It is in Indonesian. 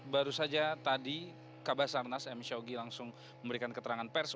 baru saja tadi kabasarnas m syawgi langsung memberikan keterangan pers